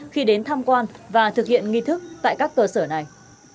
khi đến tham quan và thực hiện nghi thức tại các cơ sở này